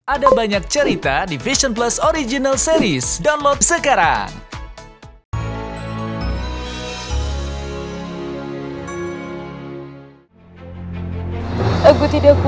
ada banyak cerita di vision plus original series download sekarang